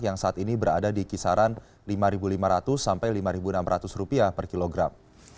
yang saat ini berada di kisaran rp lima lima ratus sampai rp lima enam ratus per kilogram